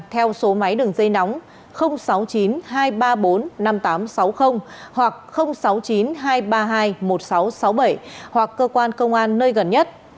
theo số máy đường dây nóng sáu mươi chín hai trăm ba mươi bốn năm nghìn tám trăm sáu mươi hoặc sáu mươi chín hai trăm ba mươi hai một nghìn sáu trăm sáu mươi bảy hoặc cơ quan công an nơi gần nhất